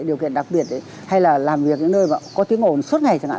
điều kiện đặc biệt hay là làm việc ở những nơi mà có tiếng ồn suốt ngày chẳng hạn